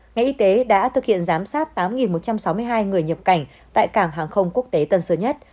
ngành y tế đã thực hiện giám sát tám một trăm sáu mươi hai người nhập cảnh tại cảng hàng không quốc tế tân sơn nhất